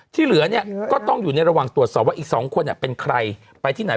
ที่เหลือเนี่ยก็ต้องอยู่ในระหว่างตรวจสอบว่าอีก๒คนเป็นใครไปที่ไหน